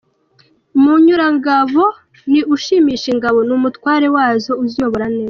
Munyurangabo ni ushimisha ingabo, ni umutware wazo uziyobora neza.